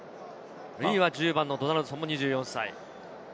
１０番のドナルドソンも２４歳。